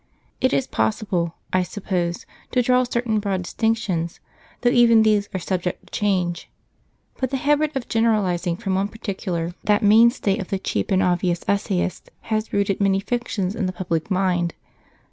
It is possible, I suppose, to draw certain broad distinctions, though even these are subject to change; but the habit of generalising from one particular, that mainstay of the cheap and obvious essayist, has rooted many fictions in the public mind.